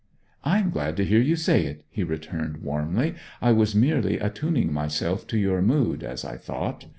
'I am glad to hear you say it,' he returned warmly. 'I was merely attuning myself to your mood, as I thought.